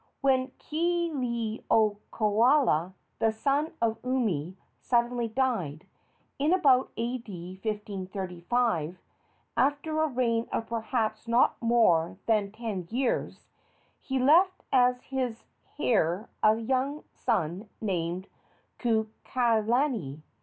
When Kealiiokoloa, the son of Umi, suddenly died, in about A.D. 1535, after a reign of perhaps not more than ten years, he left as his heir a young son named Kukailani.